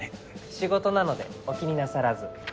仕事なのでお気になさらず。